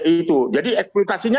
itu jadi eksplotasinya